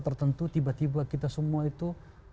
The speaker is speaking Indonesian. tertentu tiba tiba kita semua itu